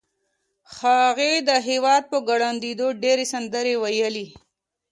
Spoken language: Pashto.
هغې د هېواد په ړنګېدو ډېرې سندرې وویلې